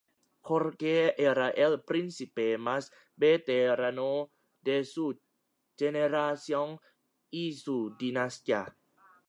Jorge era el príncipe más veterano de su generación y su dinastía.